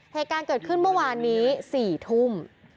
ภายการเกิดขึ้นเมื่อวานนี้สี่ทุ่ม